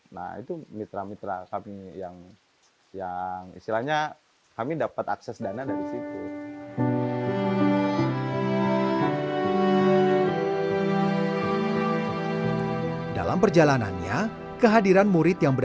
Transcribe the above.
nah itu mitra mitra kami yang